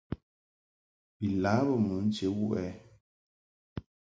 Bi lâ bə mɨ nche wuʼ ɛ ?